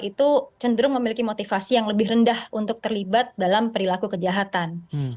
itu cenderung memiliki motivasi yang lebih rendah untuk terlibat dalam perilaku kejahatan